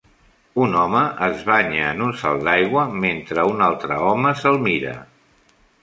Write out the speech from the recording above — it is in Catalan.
Un home es banya en un salt d'aigua mentre un altre home se'l mira.